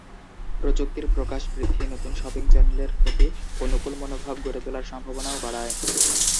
প্রযুক্তির প্রকাশ বৃদ্ধি নতুন শপিং চ্যানেলের প্রতি অনুকূল মনোভাব গড়ে তোলার সম্ভাবনাও বাড়ায়।